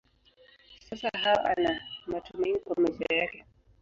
Sasa Hawa ana matumaini kwa maisha yake.